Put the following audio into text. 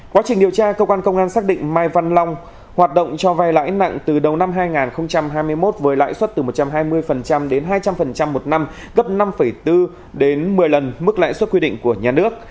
quá trình điều tra cơ quan công an xác định mai văn long hoạt động cho vai lãi nặng từ đầu năm hai nghìn hai mươi một với lãi suất từ một trăm hai mươi đến hai trăm linh một năm gấp năm bốn đến một mươi lần mức lãi suất quy định của nhà nước